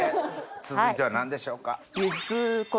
続いては何でしょうか？